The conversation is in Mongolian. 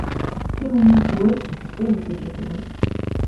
Тэр хүмүүс зүгээр л итгэлтэй хүлээж байдаг юм.